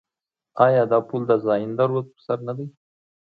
آیا دا پل د زاینده رود پر سر نه دی؟